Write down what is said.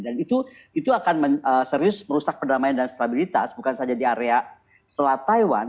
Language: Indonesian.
dan itu akan serius merusak perdamaian dan stabilitas bukan saja di area selat taiwan